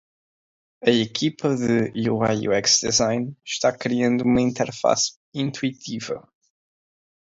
A equipe de UI/UX Design está criando uma interface intuitiva.